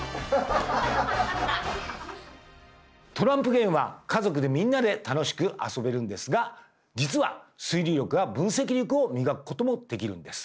トランプゲームは家族でみんなで楽しく遊べるんですが実は推理力や分析力を磨くこともできるんです！